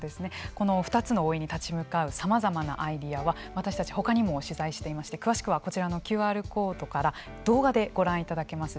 この２つの老いに立ち向かうさまざまなアイデアは私たち、他にも取材していまして詳しくはこちらのＱＲコードから動画でご覧いただけます。